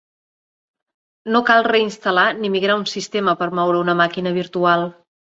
No cal reinstal·lar ni migrar un sistema per moure una màquina virtual.